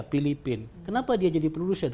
filipina kenapa dia jadi produsen